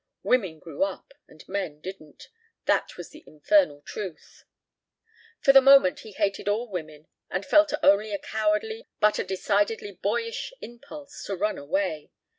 Women grew up and men didn't. That was the infernal truth. For the moment he hated all women and felt not only a cowardly but a decidedly boyish impulse to run away.